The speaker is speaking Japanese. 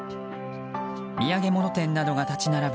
土産物店などが立ち並ぶ